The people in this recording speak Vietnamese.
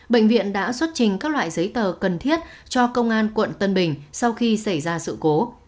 bệnh viện đã xuất trình các loại giấy tờ cần thiết cho công an quận tân bình sau khi xảy ra sự cố